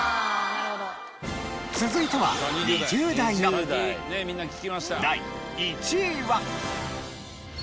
続いては２０代の第１位は。